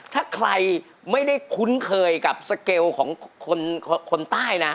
ถ้าใครไม่ได้คุ้นเคยกับสเกลของคนใต้นะ